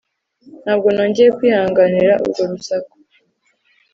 Ntabwo nongeye kwihanganira urwo rusaku